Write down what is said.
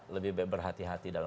lebih berhati hati dalam